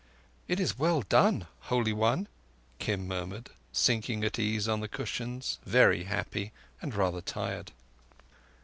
"It is well done, Holy One," Kim murmured, sinking at ease on the cushions, very happy and rather tired.